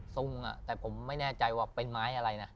ทรงแต่ผมไม่แน่ใจว่าเป็นไม้อะไรนะ